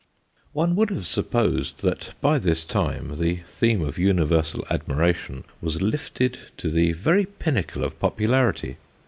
One would have supposed that, by this time, the theme of universal admiration was lifted to the very pinnacle of popularity.